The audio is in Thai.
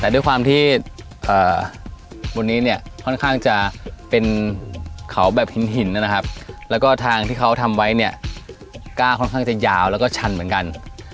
ด้วยความที่บนนี้จะเป็นเขาแบบหินและทางที่เขาทำไว้กล้าค่อนข้างยาวและชันเหมือนกัน